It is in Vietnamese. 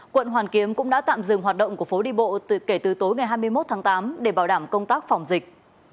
quận hoàn kiếm cũng đã tạm dừng hoạt động của phố đi bộ kể từ tối ngày hai mươi một tháng tám để bảo đảm công tác phòng dịch